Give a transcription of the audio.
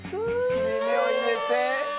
切れ目を入れて。